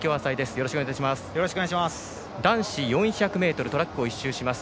よろしくお願いします。